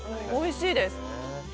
おいしいです。